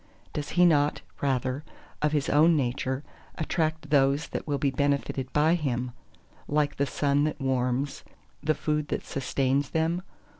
does he not rather, of his own nature, attract those that will be benefited by him—like the sun that warms, the food that sustains them?